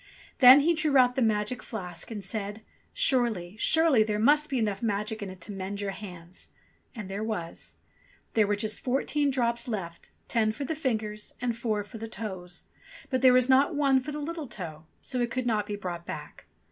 Then he drew out the magic flask and said, "Surely, surely there must be enough magic in it to mend your hands." And there was. There were just fourteen drops left, ten for the fingers and four for the toes ; but there was not one for the little toe, so it could not be brought back.